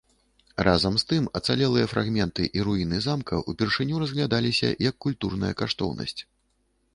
Разам з тым ацалелыя фрагменты і руіны замка ўпершыню разглядаліся як культурная каштоўнасць.